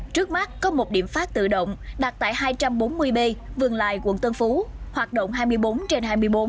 trước mắt có một điểm phát tự động đặt tại hai trăm bốn mươi b vườn lài quận tân phú hoạt động hai mươi bốn trên hai mươi bốn